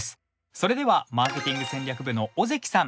それではマーケティング戦略部の尾関さん